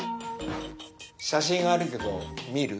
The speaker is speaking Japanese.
写真あるけど見る？